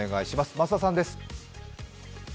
増田さんです。